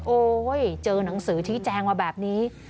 โอ้เฮ้ยเจอหนังสือที่แจงมาแบบนี้